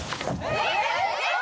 えっ？